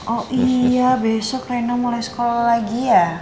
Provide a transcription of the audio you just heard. oh iya besok reno mulai sekolah lagi ya